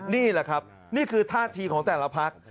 นี่แหละครับนี่คือท่าทีของแต่ละพัก